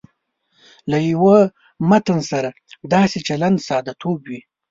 له یوه متن سره داسې چلند ساده توب وي.